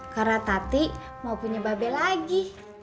karena tati mau punya babe lagi